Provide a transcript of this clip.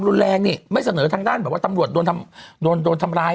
รุนแรงนี่ไม่เสนอทางด้านแบบว่าตำรวจโดนทำโดนโดนทำร้าย